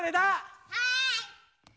はい！